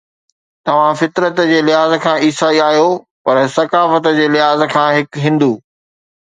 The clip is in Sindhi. توهان فطرت جي لحاظ کان عيسائي آهيو، پر ثقافت جي لحاظ کان هڪ هندو